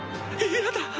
嫌だ！